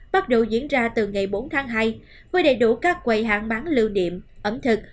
bắt đầu diễn ra từ ngày bốn tháng hai với đầy đủ các quầy hãng bán lưu niệm ẩm thực